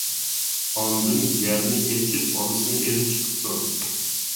ئاندىن يەرنى ئېچىپ بالىسىنى ئېلىپ چىقىپتۇ.